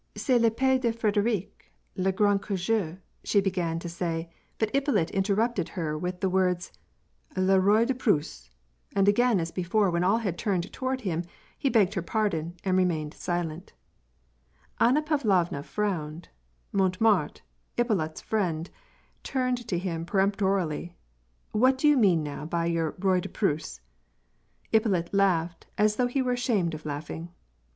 *' C^est Pepee de Fridirie le grand que je "— she began to say, but Ippolit interrupted her with the words, —" Le roi de Pnisse "— and again as before when all had turned toward him, he begged her pardon and remained silent Anna Pavlovna frowned ; Montemart, Ippolit's friend, turned to him peremptorily :" What do you mean now by your roi de Prti^se ?" Ippolit laughed, as though he were ashamed of laughing, —